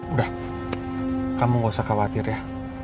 udah kamu gak usah khawatir ya